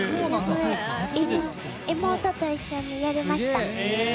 妹と一緒にやりました。